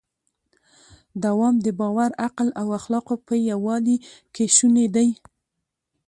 دوام د باور، عقل او اخلاقو په یووالي کې شونی دی.